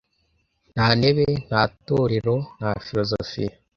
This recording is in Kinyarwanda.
Nta ntebe, nta torero, nta filozofiya,